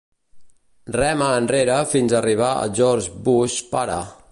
Rema enrere fins arribar a George Bush pare.